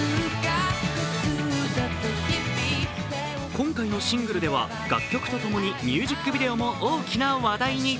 今回のシングルでは楽曲とともにミュージックビデオも大きな話題に。